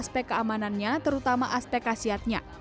aspek keamanannya terutama aspek khasiatnya